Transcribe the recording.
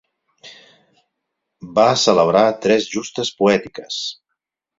Va celebrar tres justes poètiques.